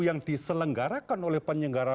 yang diselenggarakan oleh penyelenggara